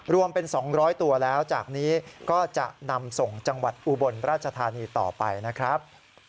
รวมเป็น๒๐๐ตัวแล้วจากนี้ก็จะนำส่งจังหวัดอุบลราชธานีต่อไปนะครับ